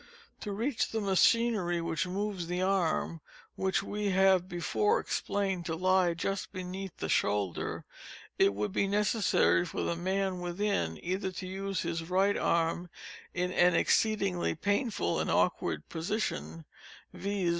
To reach the machinery which moves the arm, and which we have before explained to lie just beneath the shoulder, it would be necessary for the man within either to use his right arm in an exceedingly painful and awkward position, (viz.